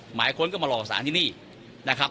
หมายค้นก็มารอสารที่นี่นะครับ